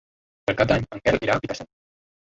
Per Cap d'Any en Quel irà a Picassent.